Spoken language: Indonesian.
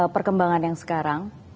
perkembangan yang sekarang